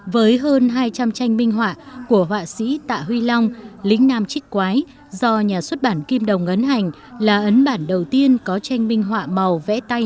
với hơn hai trăm linh tranh minh họa của họa sĩ tạ huy long lính nam trích quái do nhà xuất bản kim đồng ấn hành là ấn bản đầu tiên có tranh minh họa màu vẽ tay